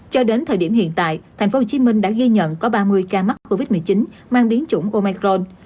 cho đến thời điểm hiện tại tp hcm đã ghi nhận có ba mươi ca mắc covid một mươi chín mang đến chủng omicron